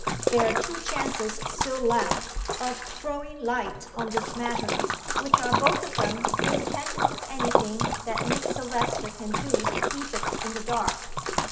There are two chances still left of throwing light on this matter, which are both of them independent of any thing that Miss Silvester can do to keep it in the dark."